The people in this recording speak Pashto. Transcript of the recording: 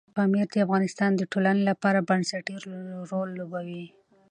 پامیر د افغانستان د ټولنې لپاره بنسټيز رول لوبوي.